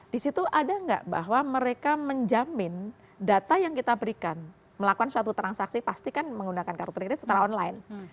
di situ ada nggak bahwa mereka menjamin data yang kita berikan melakukan suatu transaksi pastikan menggunakan kartu kredit setelah online